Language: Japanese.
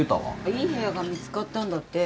いい部屋が見つかったんだって。